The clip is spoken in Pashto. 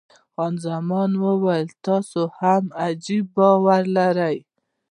خان زمان وویل، تاسې هم عجبه باور لرئ.